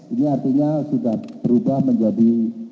ini artinya sudah berubah menjadi